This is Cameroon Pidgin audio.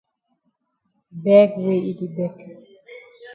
Beg wey yi di beg.